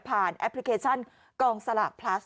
แอปพลิเคชันกองสลากพลัส